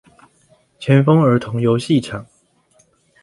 前峰兒童遊戲場